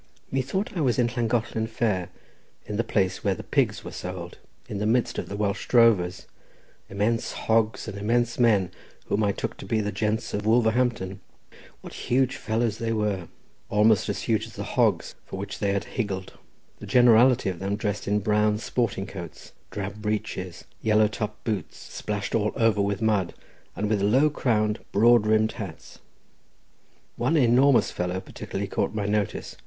Methought I was in Llangollen fair, in the place where the pigs were sold, in the midst of Welsh drovers, immense hogs and immense men, whom I took to be the gents of Wolverhampton. What huge fellows they were! almost as huge as the hogs for which they higgled; the generality of them dressed in brown sporting coats, drab breeches, yellow topped boots, splashed all over with mud, and with low crowned, broad brimmed hats. One enormous fellow particularly caught my notice.